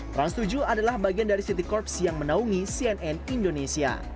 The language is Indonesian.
trans tujuh adalah bagian dari city corps yang menaungi cnn indonesia